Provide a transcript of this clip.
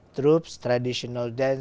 trong khoảng hai năm